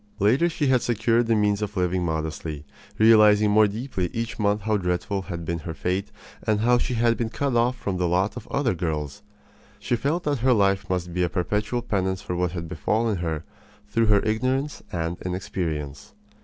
Later she had secured the means of living modestly, realizing more deeply each month how dreadful had been her fate and how she had been cut off from the lot of other girls. She felt that her life must be a perpetual penance for what had befallen her through her ignorance and inexperience.